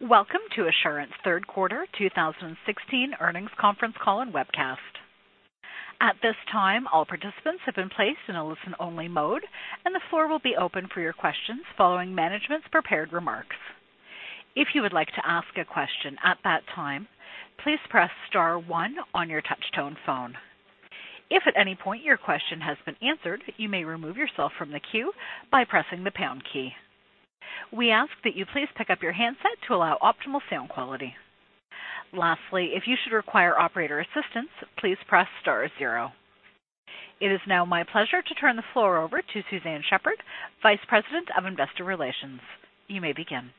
Welcome to Assurant's third quarter 2016 earnings conference call and webcast. At this time, all participants have been placed in a listen-only mode, and the floor will be open for your questions following management's prepared remarks. If you would like to ask a question at that time, please press star one on your touch-tone phone. If at any point your question has been answered, you may remove yourself from the queue by pressing the pound key. We ask that you please pick up your handset to allow optimal sound quality. Lastly, if you should require operator assistance, please press star zero. It is now my pleasure to turn the floor over to Suzanne Shepherd, Vice President of Investor Relations. You may begin.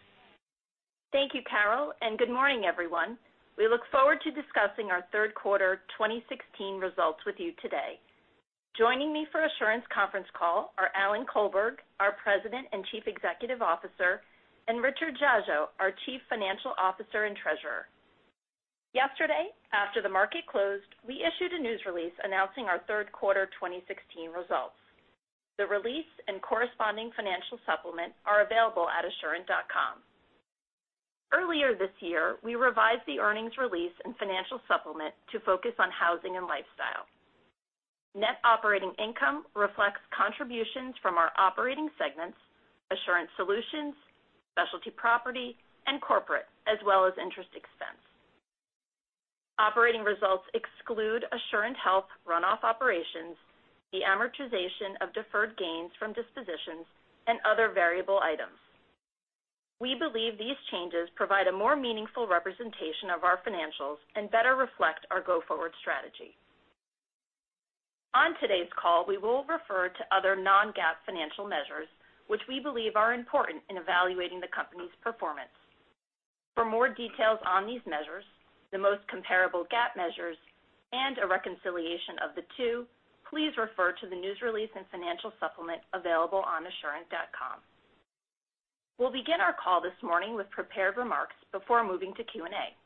Thank you, Carol, and good morning, everyone. We look forward to discussing our third quarter 2016 results with you today. Joining me for Assurant's conference call are Alan Colberg, our President and Chief Executive Officer, and Richard Dziadzio, our Chief Financial Officer and Treasurer. Yesterday, after the market closed, we issued a news release announcing our third quarter 2016 results. The release and corresponding financial supplement are available at assurant.com. Earlier this year, we revised the earnings release and financial supplement to focus on housing and lifestyle. Net operating income reflects contributions from our operating segments, Assurant Solutions, Specialty Property, and Corporate, as well as interest expense. Operating results exclude Assurant Health runoff operations, the amortization of deferred gains from dispositions, and other variable items. We believe these changes provide a more meaningful representation of our financials and better reflect our go-forward strategy. On today's call, we will refer to other non-GAAP financial measures, which we believe are important in evaluating the company's performance. For more details on these measures, the most comparable GAAP measures, and a reconciliation of the two, please refer to the news release and financial supplement available on assurant.com. We will begin our call this morning with prepared remarks before moving to Q&A.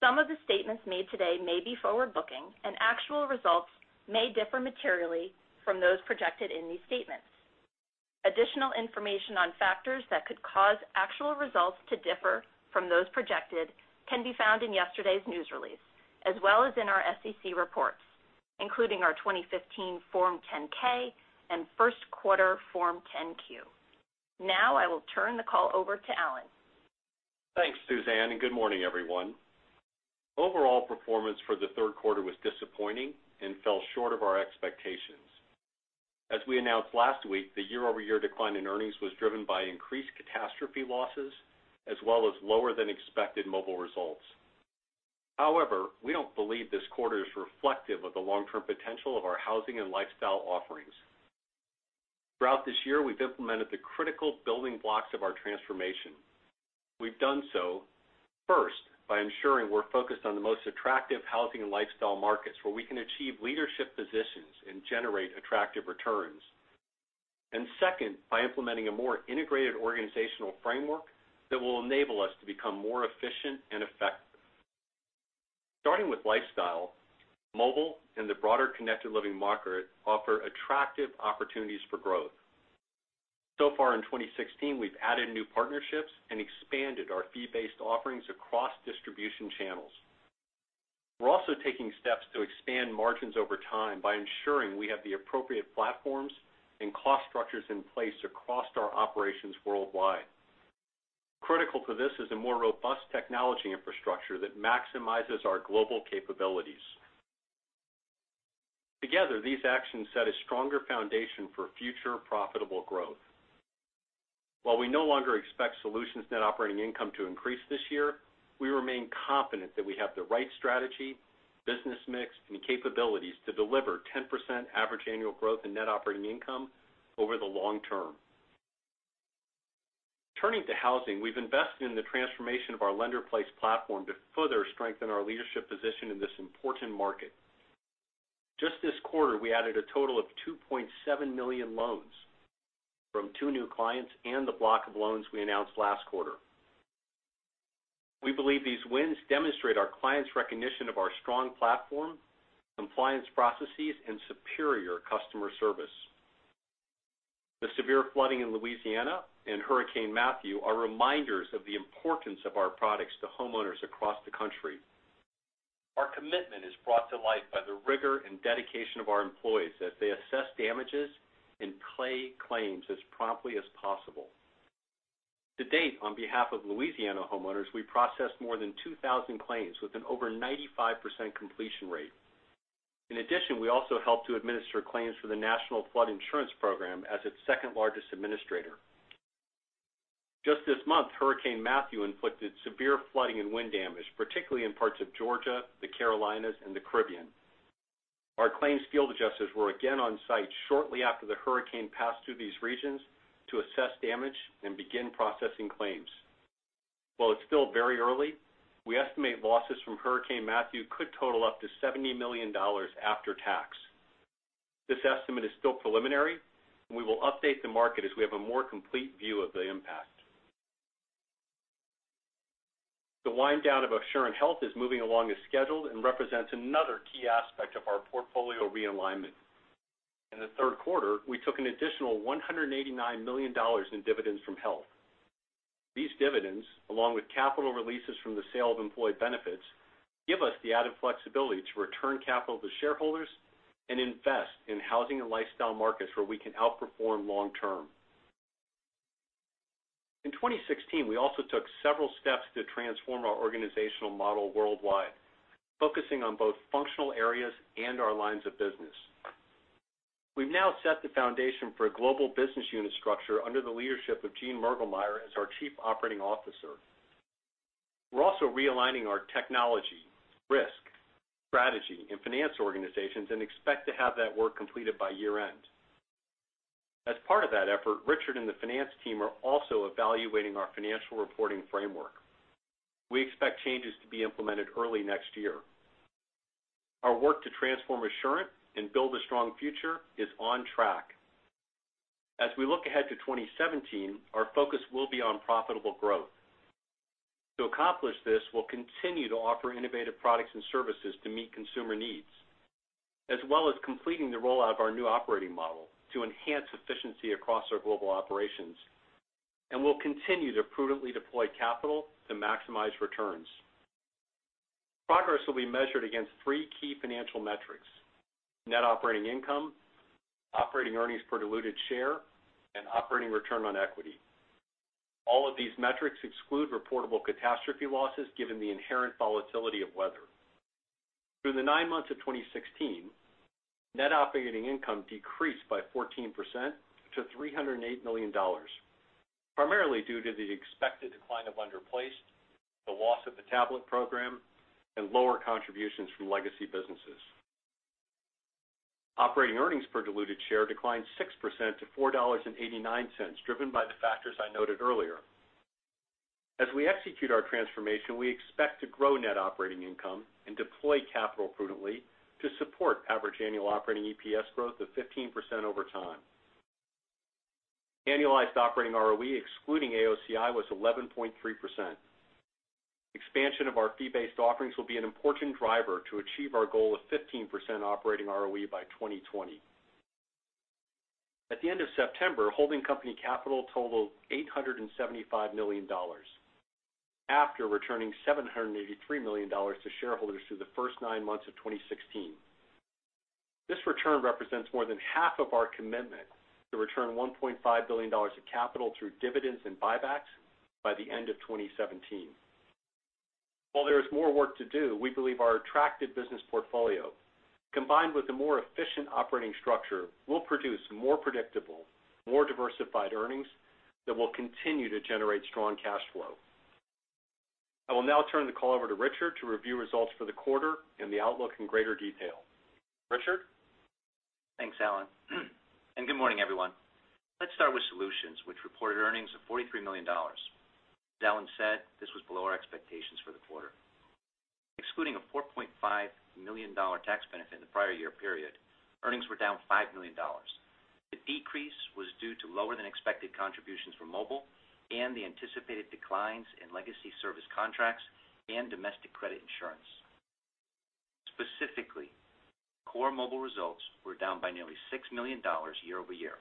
Some of the statements made today may be forward-looking, and actual results may differ materially from those projected in these statements. Additional information on factors that could cause actual results to differ from those projected can be found in yesterday's news release, as well as in our SEC reports, including our 2015 Form 10-K and first quarter Form 10-Q. Now I will turn the call over to Alan. Thanks, Suzanne. Good morning, everyone. Overall performance for the third quarter was disappointing and fell short of our expectations. As we announced last week, the year-over-year decline in earnings was driven by increased catastrophe losses, as well as lower than expected mobile results. However, we don't believe this quarter is reflective of the long-term potential of our housing and lifestyle offerings. Throughout this year, we've implemented the critical building blocks of our transformation. We've done so, first, by ensuring we're focused on the most attractive housing and lifestyle markets where we can achieve leadership positions and generate attractive returns. Second, by implementing a more integrated organizational framework that will enable us to become more efficient and effective. Starting with lifestyle, mobile and the broader Connected living market offer attractive opportunities for growth. So far in 2016, we've added new partnerships and expanded our fee-based offerings across distribution channels. We're also taking steps to expand margins over time by ensuring we have the appropriate platforms and cost structures in place across our operations worldwide. Critical to this is a more robust technology infrastructure that maximizes our global capabilities. Together, these actions set a stronger foundation for future profitable growth. While we no longer expect Solutions net operating income to increase this year, we remain confident that we have the right strategy, business mix, and capabilities to deliver 10% average annual growth in net operating income over the long term. Turning to housing, we've invested in the transformation of our lender-placed platform to further strengthen our leadership position in this important market. Just this quarter, we added a total of 2.7 million loans from two new clients and the block of loans we announced last quarter. We believe these wins demonstrate our clients' recognition of our strong platform, compliance processes, and superior customer service. The severe flooding in Louisiana and Hurricane Matthew are reminders of the importance of our products to homeowners across the country. Our commitment is brought to light by the rigor and dedication of our employees as they assess damages and pay claims as promptly as possible. To date, on behalf of Louisiana homeowners, we processed more than 2,000 claims with an over 95% completion rate. In addition, we also helped to administer claims for the National Flood Insurance Program as its second-largest administrator. Just this month, Hurricane Matthew inflicted severe flooding and wind damage, particularly in parts of Georgia, the Carolinas, and the Caribbean. Our claims field adjusters were again on site shortly after the hurricane passed through these regions to assess damage and begin processing claims. While it's still very early, we estimate losses from Hurricane Matthew could total up to $70 million after tax. This estimate is still preliminary, and we will update the market as we have a more complete view of the impact. The wind down of Assurant Health is moving along as scheduled and represents another key aspect of our portfolio realignment. In the third quarter, we took an additional $189 million in dividends from Health. These dividends, along with capital releases from the sale of employee benefits, give us the added flexibility to return capital to shareholders and invest in housing and lifestyle markets where we can outperform long term. In 2016, we also took several steps to transform our organizational model worldwide, focusing on both functional areas and our lines of business. We've now set the foundation for a global business unit structure under the leadership of Gene Mergelmeyer as our Chief Operating Officer. We're also realigning our technology, risk, strategy, and finance organizations and expect to have that work completed by year-end. As part of that effort, Richard and the finance team are also evaluating our financial reporting framework. We expect changes to be implemented early next year. Our work to transform Assurant and build a strong future is on track. As we look ahead to 2017, our focus will be on profitable growth. To accomplish this, we'll continue to offer innovative products and services to meet consumer needs, as well as completing the rollout of our new operating model to enhance efficiency across our global operations. We'll continue to prudently deploy capital to maximize returns. Progress will be measured against three key financial metrics: net operating income, operating earnings per diluted share, and operating return on equity. All of these metrics exclude reportable catastrophe losses given the inherent volatility of weather. Through the nine months of 2016, net operating income decreased by 14% to $308 million, primarily due to the expected decline of lender-placed, the loss of the tablet program, and lower contributions from legacy businesses. Operating earnings per diluted share declined 6% to $4.89, driven by the factors I noted earlier. As we execute our transformation, we expect to grow net operating income and deploy capital prudently to support average annual operating EPS growth of 15% over time. Annualized operating ROE excluding AOCI was 11.3%. Expansion of our fee-based offerings will be an important driver to achieve our goal of 15% operating ROE by 2020. and the anticipated declines in legacy service contracts and domestic credit insurance. Specifically, core mobile results were down by nearly $6 million year over year,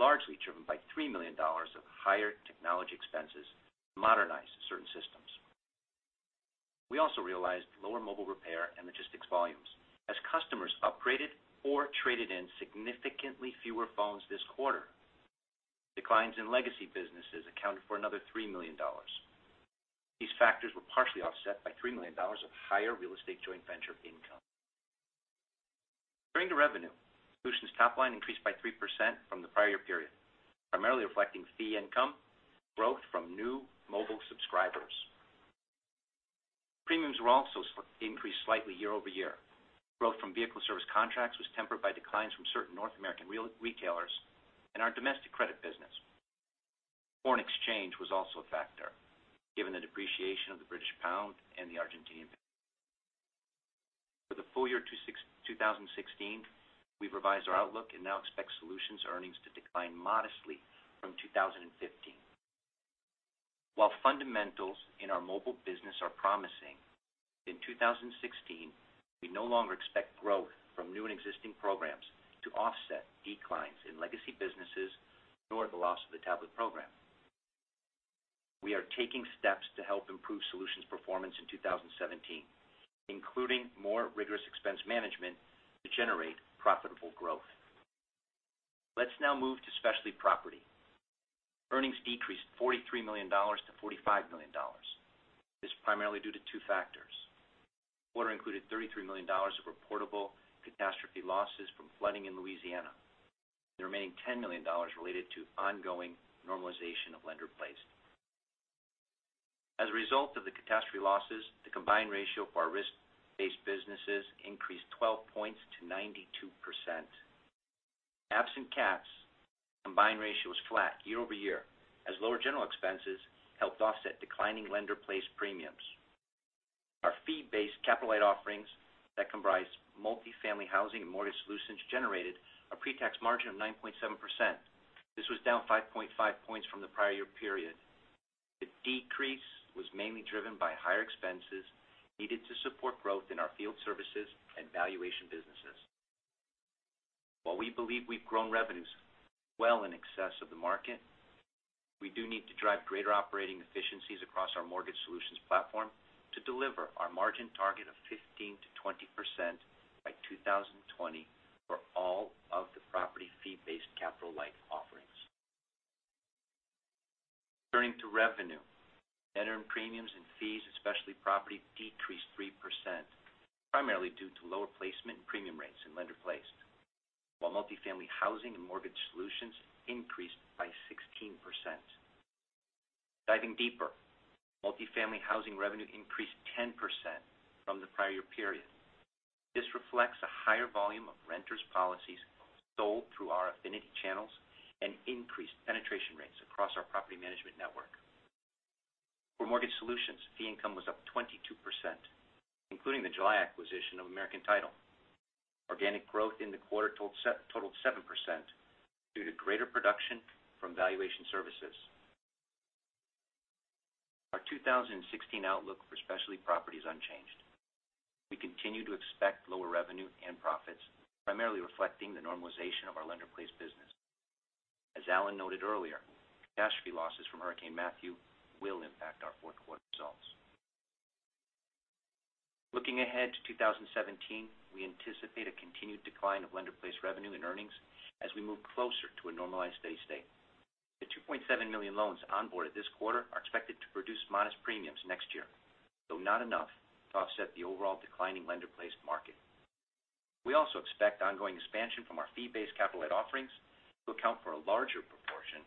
largely driven by $3 million of higher technology expenses to modernize certain systems. We also realized lower mobile repair and logistics volumes as customers upgraded or traded in significantly fewer phones this quarter. Declines in legacy businesses accounted for another $3 million. These factors were partially offset by $3 million of higher real estate joint venture income. Turning to revenue, Solutions' top line increased by 3% from the prior period, primarily reflecting fee income growth from new mobile subscribers. Premiums were also increased slightly year-over-year. Growth from vehicle service contracts was tempered by declines from certain North American retailers and our domestic credit business. Foreign exchange was also a factor given the depreciation of the British pound and the Argentine peso. For the full year 2016, we've revised our outlook and now expect Solutions earnings to decline modestly from 2015. While fundamentals in our mobile business are promising, in 2016, we no longer expect growth from new and existing programs to offset declines in legacy businesses, nor the loss of the tablet program. We are taking steps to help improve Solutions' performance in 2017, including more rigorous expense management to generate profitable growth. Let's now move to Specialty Property. Earnings decreased $43 million to $45 million. This is primarily due to two factors. The quarter included $33 million of reportable catastrophe losses from flooding in Louisiana, and the remaining $10 million related to ongoing normalization of lender-placed. As a result of the catastrophe losses, the combined ratio for our risk-based businesses increased 12 points to 92%. Absent cats, the combined ratio was flat year-over-year as lower general expenses helped offset declining lender-placed premiums. Our fee-based, capital-light offerings that comprise multifamily housing and mortgage solutions generated a pre-tax margin of 9.7%. This was down 5.5 points from the prior year period. The decrease was mainly driven by higher expenses needed to support growth in our field services and valuation services businesses. While we believe we've grown revenues well in excess of the market, we do need to drive greater operating efficiencies across our mortgage solutions platform to deliver our margin target of 15%-20% by 2020 for all of the property fee-based capital-light offerings. Turning to revenue, net earned premiums and fees, especially property, decreased 3%, primarily due to lower placement and premium rates in lender-placed. While multifamily housing and mortgage solutions increased by 16%. Diving deeper, multifamily housing revenue increased 10% from the prior year period. This reflects a higher volume of renters' policies sold through our affinity channels and increased penetration rates across our property management network. For mortgage solutions, fee income was up 22%, including the July acquisition of American Title. Organic growth in the quarter totaled 7% due to greater production from valuation services. Our 2016 outlook for Specialty Property is unchanged. We continue to expect lower revenue and profits, primarily reflecting the normalization of our lender-placed business. As Alan noted earlier, catastrophe losses from Hurricane Matthew will impact our fourth quarter results. Looking ahead to 2017, we anticipate a continued decline of lender-placed revenue and earnings as we move closer to a normalized steady state. The 2.7 million loans onboarded this quarter are expected to produce modest premiums next year, though not enough to offset the overall declining lender-placed market. We also expect ongoing expansion from our fee-based capital-light offerings to account for a larger proportion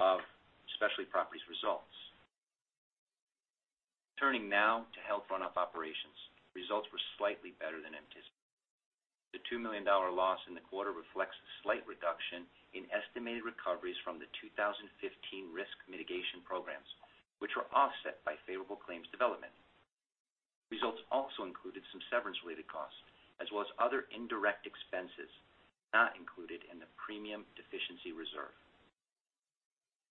of Specialty Property results. Turning now to Health runoff operations. Results were slightly better than anticipated. The $2 million loss in the quarter reflects a slight reduction in estimated recoveries from the 2015 risk mitigation programs, which were offset by favorable claims development. Results also included some severance-related costs, as well as other indirect expenses not included in the premium deficiency reserve.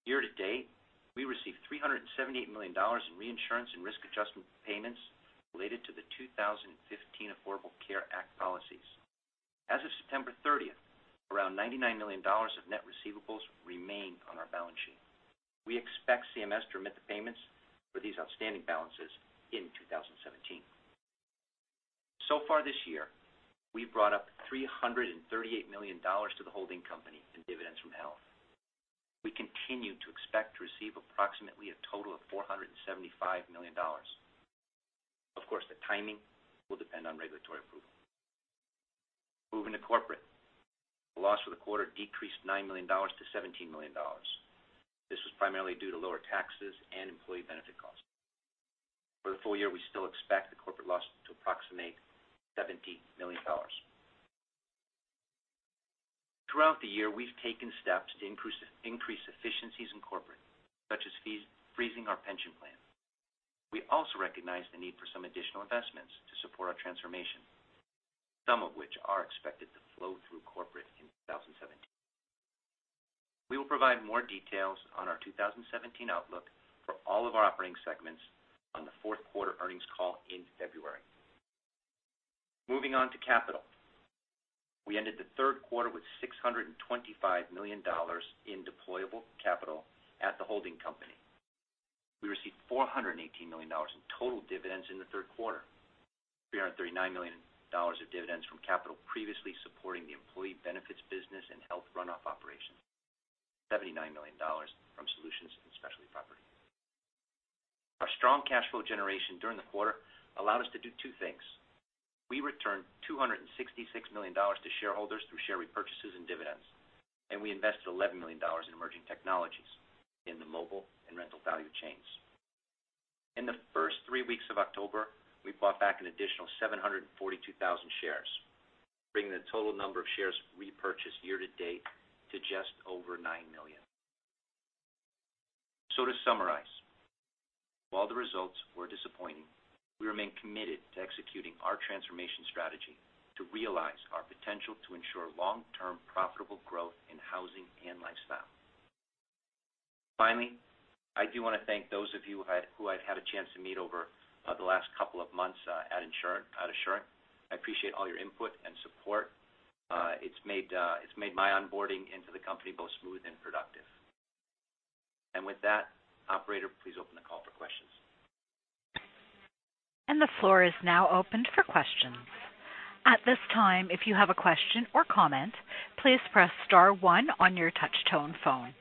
Year to date, we received $378 million in reinsurance and risk adjustment payments related to the 2015 Affordable Care Act policies. As of September 30th, around $99 million of net receivables remained on our balance sheet. We expect CMS to remit the payments for these outstanding balances in 2017. So far this year, we've brought up $338 million to the holding company in dividends from Health. We continue to expect to receive approximately a total of $475 million. Of course, the timing will depend on regulatory approval. Moving to Corporate. The loss for the quarter decreased $9 million to $17 million. This was primarily due to lower taxes and employee benefit costs. For the full year, we still expect the Corporate loss to approximate $70 million. Throughout the year, we've taken steps to increase efficiencies in corporate, such as freezing our pension plan. We also recognize the need for some additional investments to support our transformation, some of which are expected to flow through corporate in 2017. We will provide more details on our 2017 outlook for all of our operating segments on the fourth quarter earnings call in February. Moving on to capital. We ended the third quarter with $625 million in deployable capital at the holding company. We received $418 million in total dividends in the third quarter. $339 million of dividends from capital previously supporting the employee benefits business and Assurant Health runoff operations, $79 million from Assurant Solutions and Assurant Specialty Property. Our strong cash flow generation during the quarter allowed us to do two things. We returned $266 million to shareholders through share repurchases and dividends, we invested $11 million in emerging technologies in the mobile and rental value chains. In the first three weeks of October, we bought back an additional 742,000 shares, bringing the total number of shares repurchased year to date to just over nine million. To summarize, while the results were disappointing, we remain committed to executing our transformation strategy to realize our potential to ensure long-term profitable growth in housing and lifestyle. Finally, I do want to thank those of you who I've had a chance to meet over the last couple of months at Assurant. I appreciate all your input and support. It's made my onboarding into the company both smooth and productive. With that, operator, please open the call for questions. The floor is now opened for questions. At this time, if you have a question or comment, please press star one on your touch-tone phone.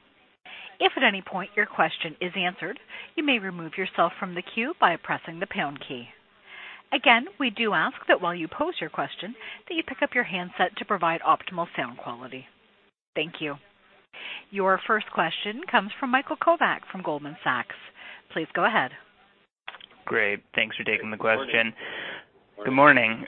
If at any point your question is answered, you may remove yourself from the queue by pressing the pound key. Again, we do ask that while you pose your question, that you pick up your handset to provide optimal sound quality. Thank you. Your first question comes from Michael Kovac from Goldman Sachs. Please go ahead. Great. Thanks for taking the question. Good morning.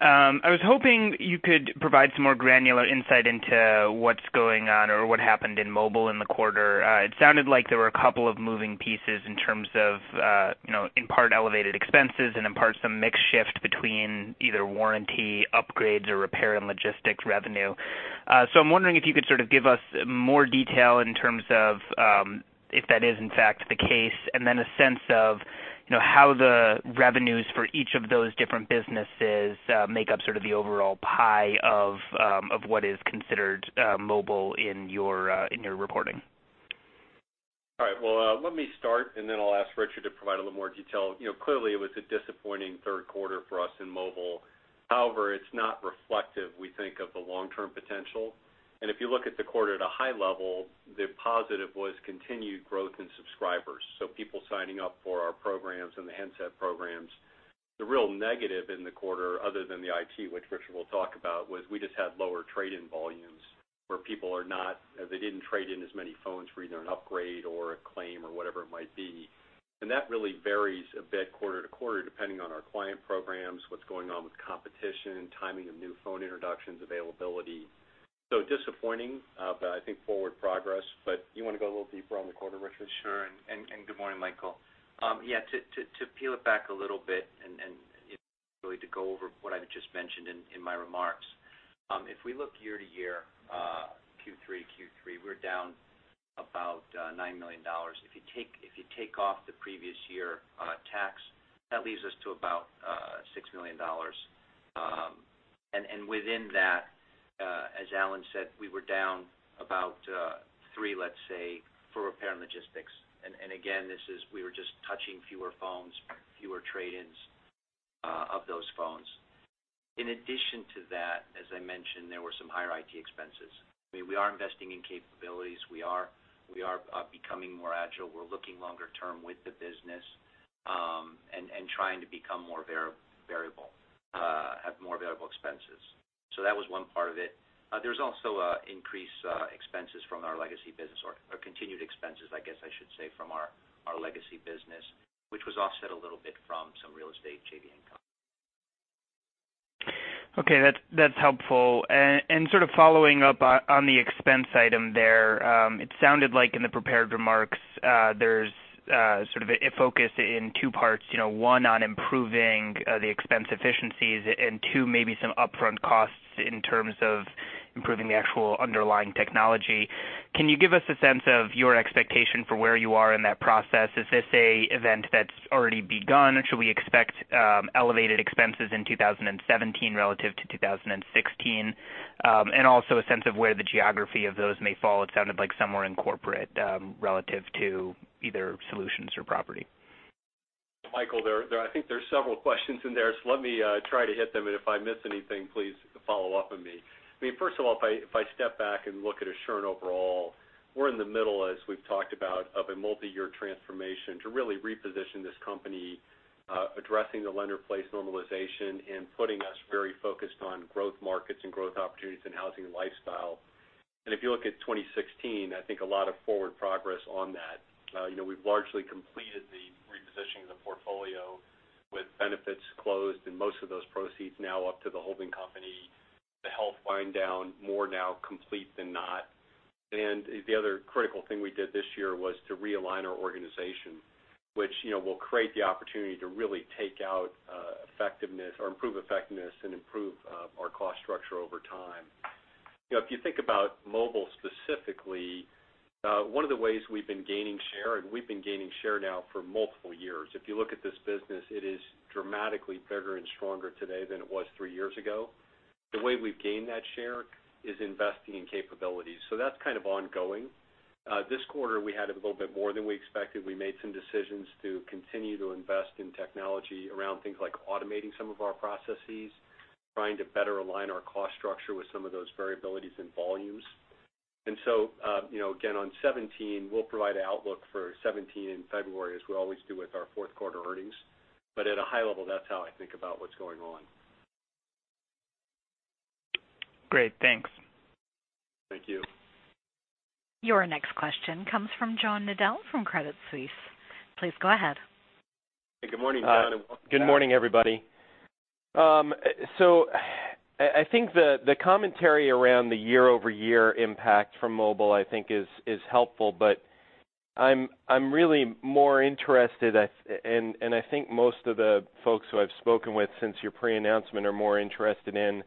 I was hoping you could provide some more granular insight into what's going on or what happened in mobile in the quarter. It sounded like there were a couple of moving pieces in terms of, in part elevated expenses and in part some mix shift between either warranty upgrades or repair and logistics revenue. I'm wondering if you could sort of give us more detail in terms of if that is in fact the case, and then a sense of how the revenues for each of those different businesses make up sort of the overall pie of what is considered mobile in your reporting. Well, let me start, then I'll ask Richard to provide a little more detail. Clearly it was a disappointing third quarter for us in mobile. It's not reflective, we think, of the long-term potential. If you look at the quarter at a high level, the positive was continued growth in subscribers, so people signing up for our programs and the handset programs. The real negative in the quarter, other than the IT, which Richard will talk about, was we just had lower trade-in volumes, where people didn't trade in as many phones for either an upgrade or a claim or whatever it might be. That really varies a bit quarter to quarter, depending on our client programs, what's going on with competition, timing of new phone introductions, availability. Disappointing, but I think forward progress. You want to go a little deeper on the quarter, Richard? Sure. Good morning, Michael. Yeah, to peel it back a little bit and really to go over what I just mentioned in my remarks. If we look year to year, Q3 to Q3, we're down about $9 million. If you take off the previous year tax, that leaves us to about $6 million. Within that, as Alan said, we were down about 3, let's say, for repair and logistics. Again, we were just touching fewer phones, fewer trade-ins of those phones. In addition to that, as I mentioned, there were some higher IT expenses. I mean, we are investing in capabilities. We are becoming more agile. We're looking longer term with the business, and trying to become more variable, have more variable expenses. That was one part of it. There was also increased expenses from our legacy business, or continued expenses, I guess I should say, from our legacy business, which was offset a little bit from some real estate JV income. Okay. That's helpful. Sort of following up on the expense item there, it sounded like in the prepared remarks, there's sort of a focus in two parts. One, on improving the expense efficiencies and two, maybe some upfront costs in terms of improving the actual underlying technology. Can you give us a sense of your expectation for where you are in that process? Is this an event that's already begun? Should we expect elevated expenses in 2017 relative to 2016? Also a sense of where the geography of those may fall. It sounded like somewhere in corporate, relative to either Assurant Solutions or Assurant Specialty Property. Michael, I mean, I think there's several questions in there, so let me try to hit them, and if I miss anything, please follow up with me. I mean, first of all, if I step back and look at Assurant overall, we're in the middle, as we've talked about, of a multi-year transformation to really reposition this company, addressing the lender-placed normalization and putting us very focused on growth markets and growth opportunities in housing and lifestyle. If you look at 2016, I think a lot of forward progress on that. We've largely completed the repositioning of the portfolio with benefits closed and most of those proceeds now up to the holding company, the Assurant Health wind down more now complete than not. The other critical thing we did this year was to realign our organization, which will create the opportunity to really take out effectiveness or improve effectiveness and improve our cost structure over time. If you think about mobile specifically, one of the ways we've been gaining share, and we've been gaining share now for multiple years. If you look at this business, it is dramatically bigger and stronger today than it was three years ago. The way we've gained that share is investing in capabilities, so that's kind of ongoing. This quarter, we had a little bit more than we expected. We made some decisions to continue to invest in technology around things like automating some of our processes, trying to better align our cost structure with some of those variabilities in volumes. Again, on 2017, we'll provide an outlook for 2017 in February, as we always do with our fourth quarter earnings. At a high level, that's how I think about what's going on. Great. Thanks. Thank you. Your next question comes from John Nadel from Credit Suisse. Please go ahead. Hey, good morning, John, and welcome back. Good morning, everybody. I think the commentary around the year-over-year impact from mobile, I think is helpful, but I'm really more interested, and I think most of the folks who I've spoken with since your pre-announcement are more interested in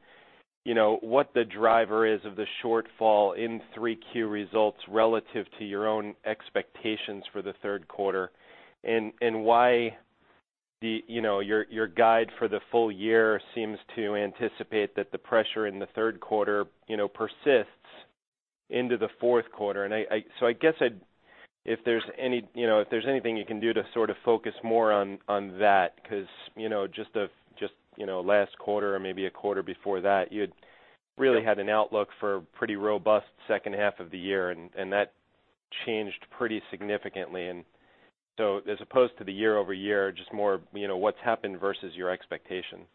what the driver is of the shortfall in 3Q results relative to your own expectations for the third quarter. Why your guide for the full year seems to anticipate that the pressure in the third quarter persists into the fourth quarter. I guess if there's anything you can do to sort of focus more on that, because just last quarter or maybe a quarter before that, you had really had an outlook for pretty robust second half of the year, and that changed pretty significantly. As opposed to the year-over-year, just more what's happened versus your expectations.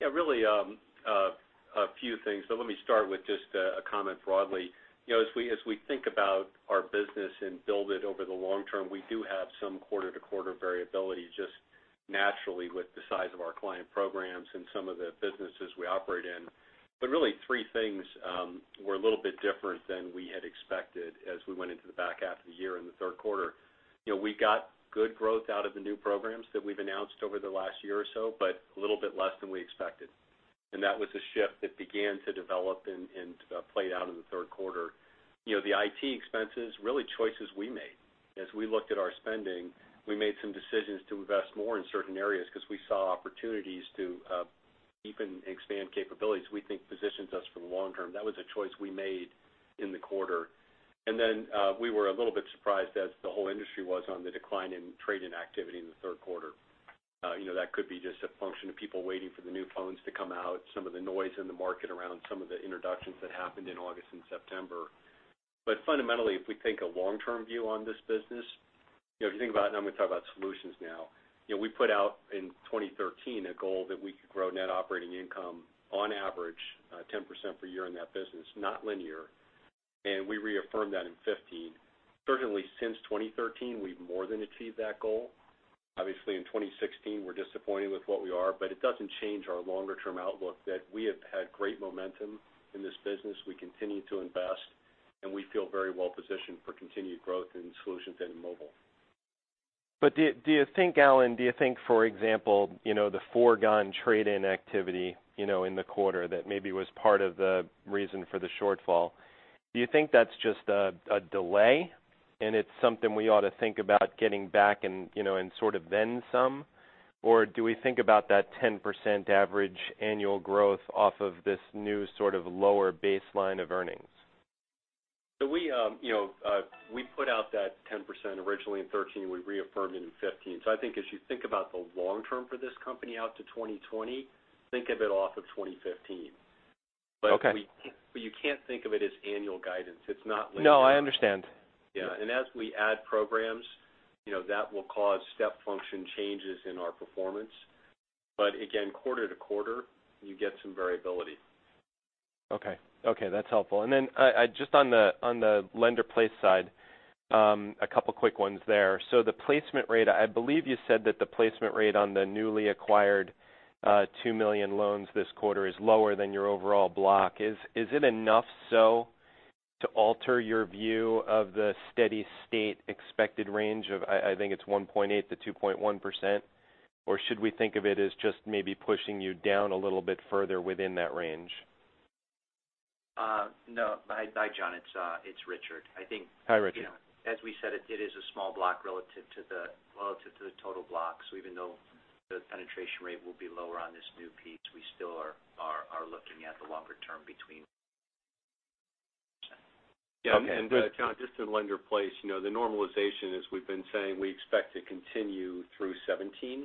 Yeah, really a few things. Let me start with just a comment broadly. As we think about our business and build it over the long term, we do have some quarter-to-quarter variability just naturally with the size of our client programs and some of the businesses we operate in. Really three things were a little bit different than we had expected as we went into the back half of the year in the third quarter. We got good growth out of the new programs that we've announced over the last year or so, but a little bit less than we expected. That was a shift that began to develop and played out in the third quarter. The IT expenses, really choices we made. As we looked at our spending, we made some decisions to invest more in certain areas because we saw opportunities to deepen and expand capabilities we think positions us for the long term. That was a choice we made in the quarter. We were a little bit surprised as the whole industry was on the decline in trade-in activity in the third quarter. That could be just a function of people waiting for the new phones to come out, some of the noise in the market around some of the introductions that happened in August and September. Fundamentally, if we take a long-term view on this business, if you think about it, I'm going to talk about Solutions now. We put out in 2013 a goal that we could grow net operating income on average 10% per year in that business, not linear. We reaffirmed that in 2015. Certainly, since 2013, we've more than achieved that goal. Obviously in 2016, we're disappointed with what we are, but it doesn't change our longer-term outlook that we have had great momentum in this business. We continue to invest, and we feel very well positioned for continued growth in Solutions and in mobile. Do you think, Alan, do you think, for example the foregone trade-in activity, in the quarter that maybe was part of the reason for the shortfall? Do you think that's just a delay, and it's something we ought to think about getting back and sort of then some? Or do we think about that 10% average annual growth off of this new sort of lower baseline of earnings? We put out that 10% originally in 2013, we reaffirmed it in 2015. I think as you think about the long term for this company out to 2020, think of it off of 2015. Okay. You can't think of it as annual guidance. It's not linear. No, I understand. Yeah. As we add programs, that will cause step function changes in our performance. But again, quarter to quarter, you get some variability. Okay. That's helpful. Then just on the Lender-Placed side, a couple of quick ones there. The placement rate, I believe you said that the placement rate on the newly acquired 2 million loans this quarter is lower than your overall block. Is it enough so to alter your view of the steady-state expected range of, I think it's 1.8%-2.1%? Should we think of it as just maybe pushing you down a little bit further within that range? No. Hi, John, it's Richard. Hi, Richard. as we said, it is a small block relative to the total block. Even though the penetration rate will be lower on this new piece, we still are looking at the longer term between. Yeah. John, just in Lender-Placed, the normalization, as we've been saying, we expect to continue through 2017.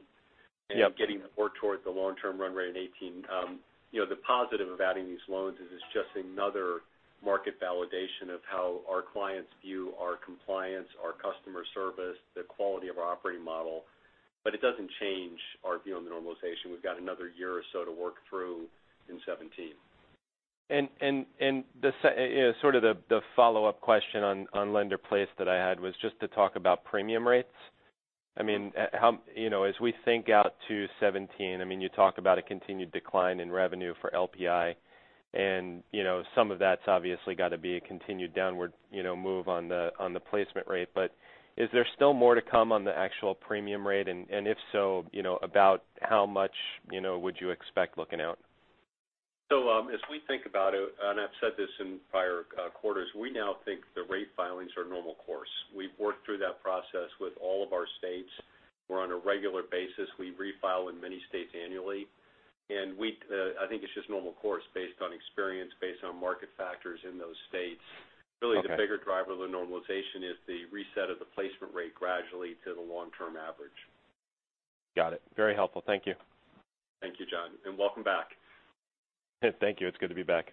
Yep. Getting more towards the long-term run rate in 2018. The positive of adding these loans is it's just another market validation of how our clients view our compliance, our customer service, the quality of our operating model. It doesn't change our view on the normalization. We've got another year or so to work through in 2017. The follow-up question on Lender-Placed that I had was just to talk about premium rates. As we think out to 2017, you talk about a continued decline in revenue for LPI, and some of that's obviously got to be a continued downward move on the placement rate. Is there still more to come on the actual premium rate? If so, about how much would you expect looking out? As we think about it, I've said this in prior quarters, we now think the rate filings are normal course. We've worked through that process with all of our states. We're on a regular basis. We refile in many states annually. I think it's just normal course based on experience, based on market factors in those states. Okay. Really, the bigger driver of the normalization is the reset of the placement rate gradually to the long-term average. Got it. Very helpful. Thank you. Thank you, John, welcome back. Thank you. It's good to be back.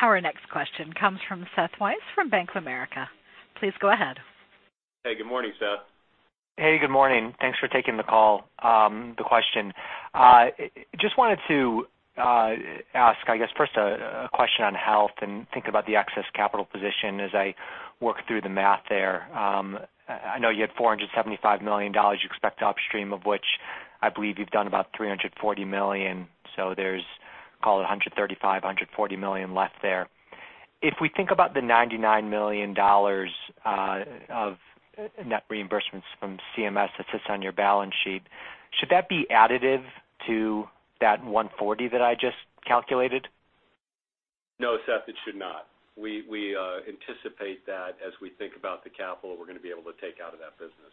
Our next question comes from Seth Weiss from Bank of America. Please go ahead. Hey, good morning, Seth. Hey, good morning. Thanks for taking the call. Just wanted to ask, I guess first a question on health and think about the excess capital position as I work through the math there. I know you had $475 million you expect to upstream, of which I believe you've done about $340 million. So there's, call it $135 million, $140 million left there. If we think about the $99 million of net reimbursements from CMS that sits on your balance sheet, should that be additive to that $140 that I just calculated? No, Seth, it should not. We anticipate that as we think about the capital we're going to be able to take out of that business.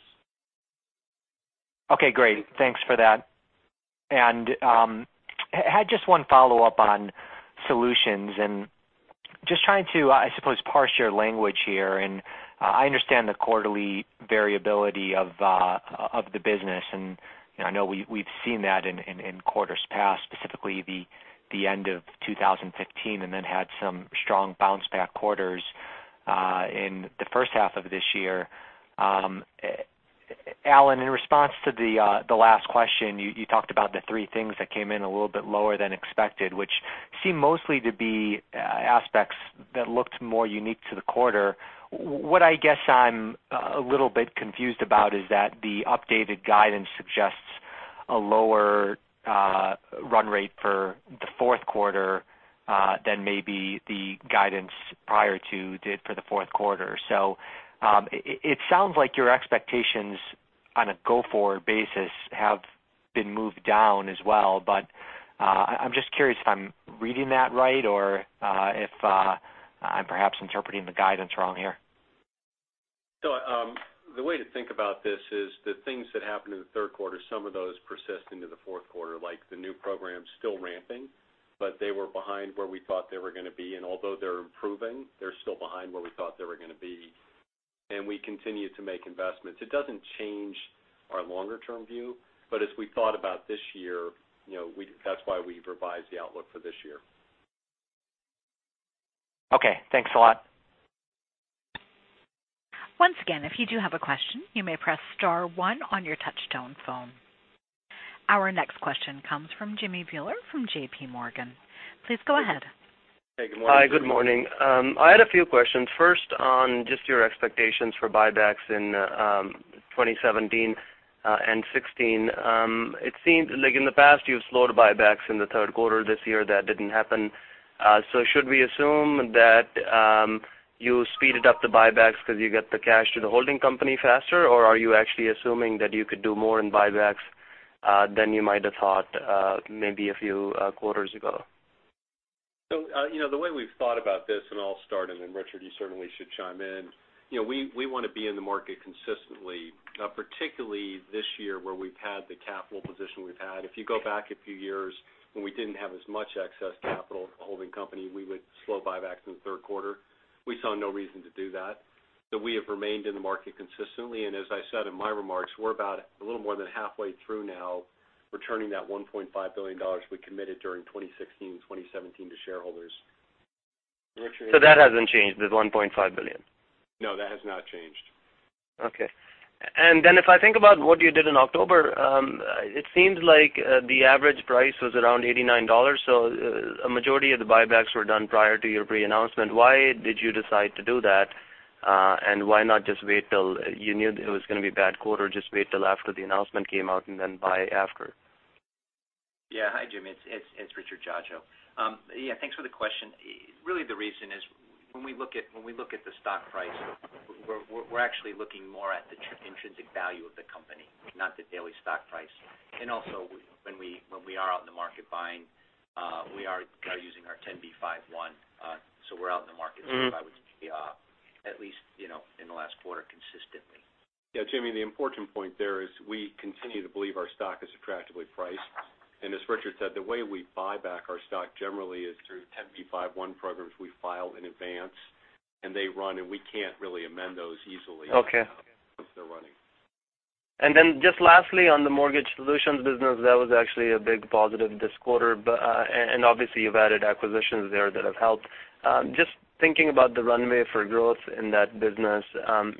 Okay, great. Thanks for that. Had just one follow-up on Solutions and just trying to, I suppose, parse your language here, and I understand the quarterly variability of the business, and I know we've seen that in quarters past, specifically the end of 2015, and then had some strong bounce back quarters in the first half of this year. Alan, in response to the last question, you talked about the three things that came in a little bit lower than expected, which seemed mostly to be aspects that looked more unique to the quarter. What I guess I'm a little bit confused about is that the updated guidance suggests a lower run rate for the fourth quarter than maybe the guidance prior to did for the fourth quarter. It sounds like your expectations on a go-forward basis have been moved down as well. I'm just curious if I'm reading that right or if I'm perhaps interpreting the guidance wrong here. The way to think about this is the things that happened in the third quarter, some of those persist into the fourth quarter, like the new programs still ramping, but they were behind where we thought they were going to be. Although they're improving, they're still behind where we thought they were going to be. We continue to make investments. It doesn't change our longer-term view. As we thought about this year, that's why we've revised the outlook for this year. Okay. Thanks a lot. Once again, if you do have a question, you may press star one on your touch-tone phone. Our next question comes from Jimmy Bhullar from J.P. Morgan. Please go ahead. Hey, good morning. I had a few questions. First, on just your expectations for buybacks in 2017 and 2016. It seems like in the past you've slowed buybacks in the third quarter. This year, that didn't happen. Should we assume that you speeded up the buybacks because you get the cash to the holding company faster? Are you actually assuming that you could do more in buybacks than you might have thought maybe a few quarters ago? The way we've thought about this, and I'll start, and then Richard, you certainly should chime in. We want to be in the market consistently, particularly this year where we've had the capital position we've had. If you go back a few years when we didn't have as much excess capital at the holding company, we would slow buybacks in the third quarter. We saw no reason to do that. We have remained in the market consistently, and as I said in my remarks, we're about a little more than halfway through now returning that $1.5 billion we committed during 2016 and 2017 to shareholders. Richard. That hasn't changed, the $1.5 billion? No, that has not changed. Okay. If I think about what you did in October, it seems like the average price was around $89. A majority of the buybacks were done prior to your pre-announcement. Why did you decide to do that? Why not just wait till you knew it was going to be a bad quarter, just wait till after the announcement came out and then buy after? Yeah. Hi, Jimmy. It's Richard Dziadzio. Yeah, thanks for the question. Really the reason is when we look at the stock price, we're actually looking more at the intrinsic value of the company, not the daily stock price. Also when we are out in the market buying, we are using our Rule 10b5-1. We're out in the market. quite a bit, at least in the last quarter consistently. Yeah, Jimmy, the important point there is we continue to believe our stock is attractively priced. As Richard said, the way we buy back our stock generally is through 10b5-1 programs we file in advance, and they run, and we can't really amend those easily. Okay Once they're running. Just lastly on the mortgage solutions business, that was actually a big positive this quarter. Obviously you've added acquisitions there that have helped. Just thinking about the runway for growth in that business,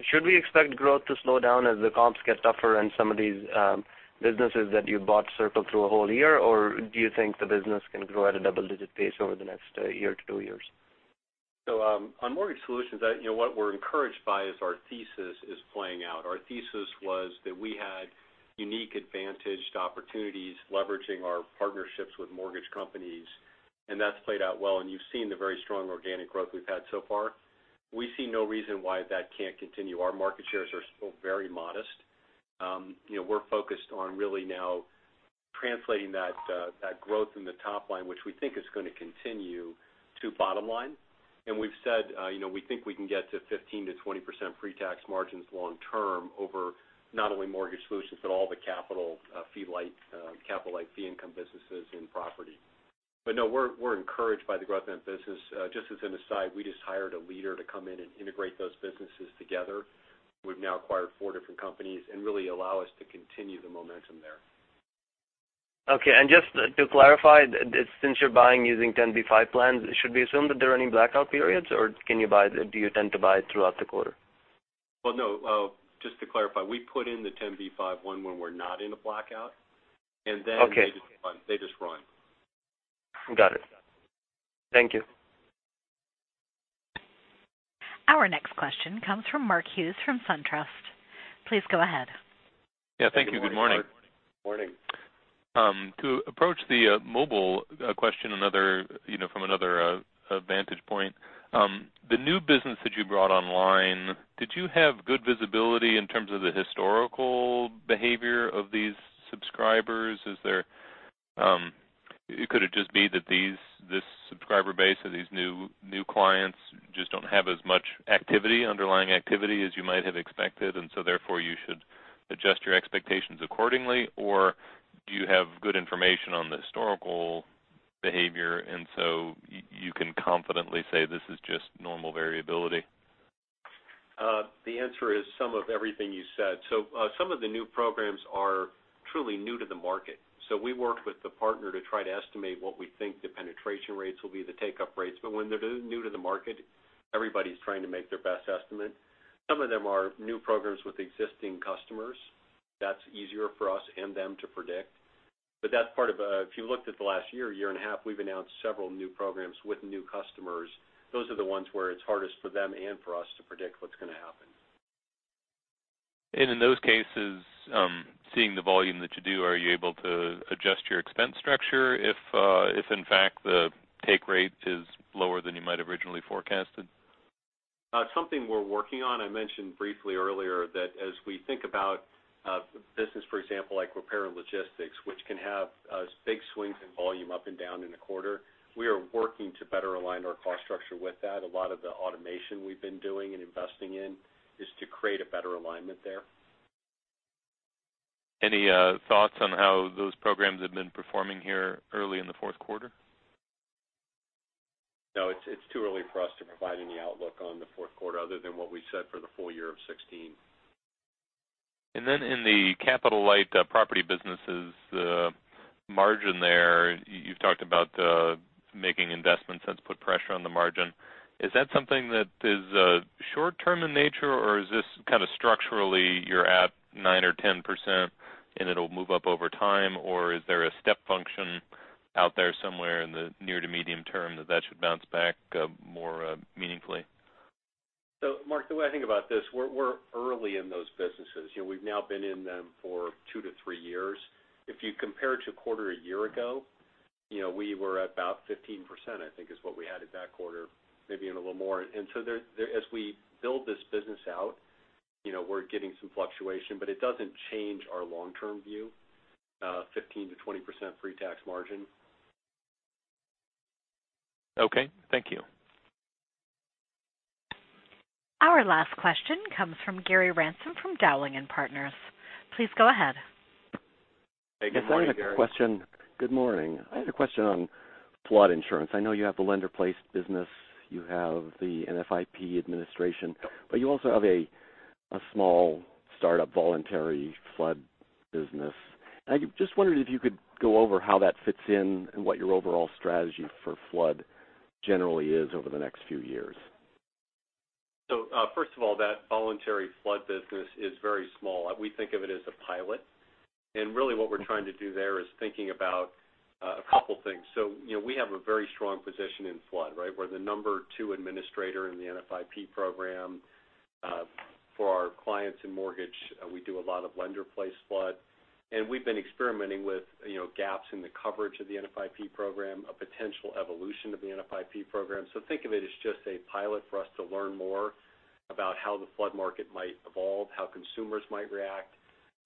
should we expect growth to slow down as the comps get tougher in some of these businesses that you bought circle through a whole year? Or do you think the business can grow at a double-digit pace over the next year to two years? On Mortgage Solutions, what we're encouraged by is our thesis is playing out. Our thesis was that we had unique advantage to opportunities leveraging our partnerships with mortgage companies, and that's played out well. You've seen the very strong organic growth we've had so far. We see no reason why that can't continue. Our market shares are still very modest. We're focused on really now translating that growth in the top line, which we think is going to continue to bottom line. We've said we think we can get to 15%-20% pre-tax margins long term over not only Mortgage Solutions, but all the capital fee light, capital light fee income businesses in property. We're encouraged by the growth in that business. Just as an aside, we just hired a leader to come in and integrate those businesses together. We've now acquired four different companies and really allow us to continue the momentum there. Okay. Just to clarify, since you're buying using 10b5-1 plans, should we assume that they're running blackout periods, or do you tend to buy throughout the quarter? Just to clarify, we put in the 10b5-1 when we're not in a blackout. Okay They just run. Got it. Thank you. Our next question comes from Mark Hughes from SunTrust. Please go ahead. Yeah. Thank you. Good morning. Morning. To approach the mobile question from another vantage point. The new business that you brought online, did you have good visibility in terms of the historical behavior of these subscribers? Could it just be that this subscriber base or these new clients just don't have as much underlying activity as you might have expected, and so therefore you should adjust your expectations accordingly? Do you have good information on the historical behavior, and so you can confidently say this is just normal variability? The answer is some of everything you said. Some of the new programs are truly new to the market. We work with the partner to try to estimate what we think the penetration rates will be, the take-up rates. When they're new to the market, everybody's trying to make their best estimate. Some of them are new programs with existing customers. That's easier for us and them to predict. If you looked at the last year and a half, we've announced several new programs with new customers. Those are the ones where it's hardest for them and for us to predict what's going to happen. In those cases, seeing the volume that you do, are you able to adjust your expense structure if in fact the take rate is lower than you might have originally forecasted? Something we're working on. I mentioned briefly earlier that as we think about business, for example, like repair and logistics, which can have big swings in volume up and down in a quarter, we are working to better align our cost structure with that. A lot of the automation we've been doing and investing in is to create a better alignment there. Any thoughts on how those programs have been performing here early in the fourth quarter? No, it's too early for us to provide any outlook on the fourth quarter other than what we said for the full year of 2016. In the capital light property businesses, the margin there, you've talked about making investments that's put pressure on the margin. Is that something that is short term in nature, or is this kind of structurally you're at nine or 10% and it'll move up over time? Is there a step function out there somewhere in the near to medium term that should bounce back more meaningfully? Mark, the way I think about this, we're early in those businesses. We've now been in them for two to three years. If you compare to a quarter a year ago, we were at about 15%, I think is what we had at that quarter, maybe even a little more. As we build this business out, we're getting some fluctuation, but it doesn't change our long-term view, 15%-20% pre-tax margin. Okay, thank you. Our last question comes from Gary Ransom from Dowling & Partners. Please go ahead. Hey, good morning, Gary. Good morning. I had a question on flood insurance. I know you have the lender-placed business. You have the NFIP administration, but you also have a small startup voluntary flood business. I just wondered if you could go over how that fits in and what your overall strategy for flood generally is over the next few years. First of all, that voluntary flood business is very small. We think of it as a pilot. Really what we're trying to do there is thinking about a couple things. We have a very strong position in flood, right? We're the number 2 administrator in the NFIP program. For our clients in mortgage, we do a lot of lender-placed flood, and we've been experimenting with gaps in the coverage of the NFIP program, a potential evolution of the NFIP program. Think of it as just a pilot for us to learn more about how the flood market might evolve, how consumers might react.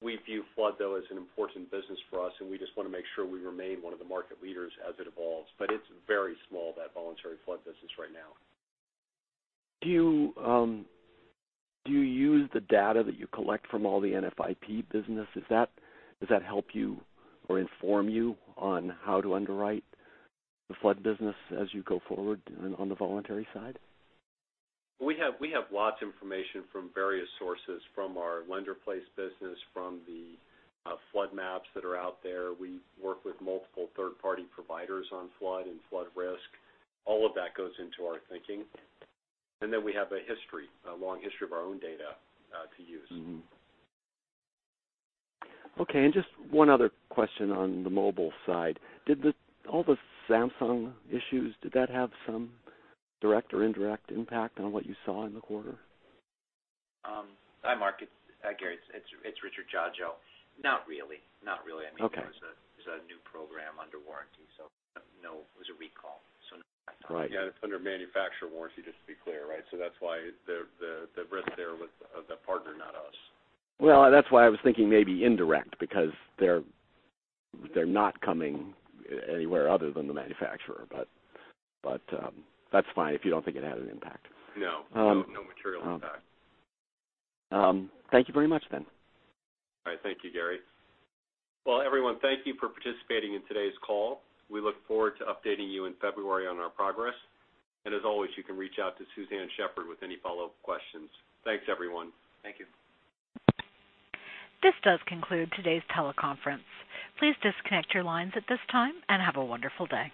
We view flood, though, as an important business for us, and we just want to make sure we remain one of the market leaders as it evolves. It's very small, that voluntary flood business right now. Do you use the data that you collect from all the NFIP business? Does that help you or inform you on how to underwrite the flood business as you go forward on the voluntary side? We have lots of information from various sources, from our lender-placed business, from the flood maps that are out there. We work with multiple third-party providers on flood and flood risk. All of that goes into our thinking. Then we have a history, a long history of our own data to use. Okay, just one other question on the mobile side. All the Samsung issues, did that have some direct or indirect impact on what you saw in the quarter? Hi, Mark. Gary, it's Richard Dziadzio. Not really. Not really. Okay. I mean, it was a new program under warranty, so no. It was a recall, so no. Right. Yeah, it's under manufacturer warranty, just to be clear, right? That's why the risk there was of the partner, not us. Well, that's why I was thinking maybe indirect, because they're not coming anywhere other than the manufacturer. That's fine if you don't think it had an impact. No. No material impact. Thank you very much, then. All right. Thank you, Gary. Well, everyone, thank you for participating in today's call. We look forward to updating you in February on our progress. As always, you can reach out to Suzanne Shepherd with any follow-up questions. Thanks, everyone. Thank you. This does conclude today's teleconference. Please disconnect your lines at this time, and have a wonderful day.